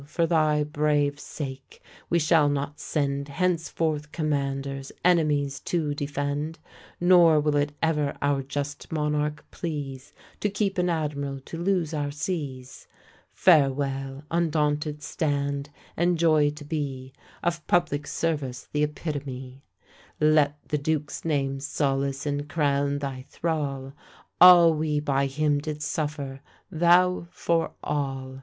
for thy brave sake we shall not send Henceforth commanders, enemies to defend; Nor will it ever our just monarch please, To keep an admiral to lose our seas. Farewell! undaunted stand, and joy to be Of public service the epitome. Let the duke's name solace and crown thy thrall; All we by him did suffer, thou for all!